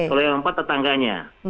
kalau yang empat tetangganya